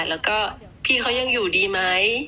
แล้วก็พี่เขายังอยู่ดีไหม